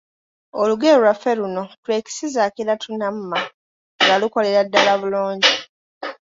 Olugero lwaffe luno; "Twekisize akira tunamma", nga lukolera ddala bulungi.